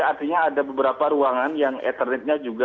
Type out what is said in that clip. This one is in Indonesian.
artinya ada beberapa ruangan yang etternetnya juga